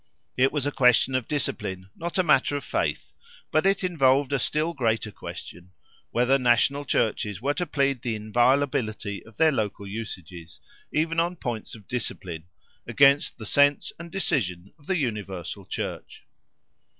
It was a question of discipline, not a matter of faith; but it involved a still greater question, whether national churches were to plead the inviolability of their local usages, even on points of discipline, against the sense and decision of the Universal Church.